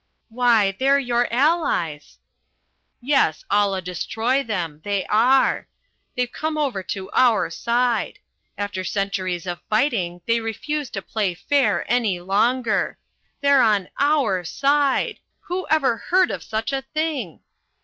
"Why, they're your Allies!" "Yes, Allah destroy them! They are. They've come over to our side. After centuries of fighting they refuse to play fair any longer. They're on our side! Who ever heard of such a thing?